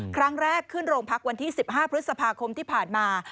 ครั้งแรกขึ้นโรงพักวันที่๑๕พฤษภาคมที่ผ่านมา